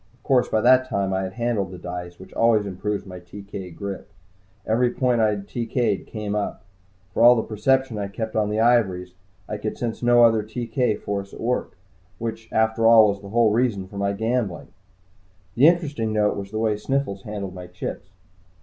Of course, by that time I had handled the dice, which always improves my TK grip. Every point I had TK'd came up. For all the perception I kept on the ivories, I could sense no other TK force at work, which after all was the whole reason for my gambling. The interesting note was the way Sniffles handled my chips.